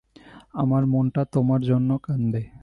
আমার মনটা তোমার জন্যে কান্দে।